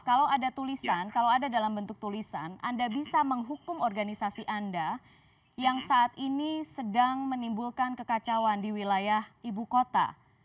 kalau ada tulisan kalau ada dalam bentuk tulisan anda bisa menghukum organisasi anda yang saat ini sedang menimbulkan kekacauan di wilayah ibu kota